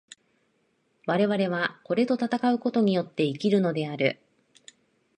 我々はこれと戦うことによって生きるのである。